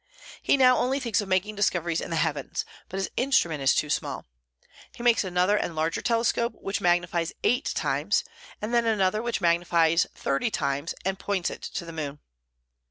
He now only thinks of making discoveries in the heavens; but his instrument is too small. He makes another and larger telescope, which magnifies eight times, and then another which magnifies thirty times; and points it to the moon.